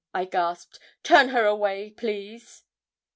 I gasped; 'turn her away, please.'